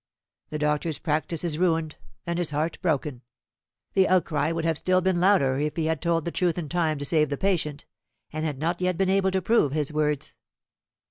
The doctor's practice is ruined, and his heart broken. The outcry would have been still louder if he had told the truth in time to save the patient, and had not been able to prove his words.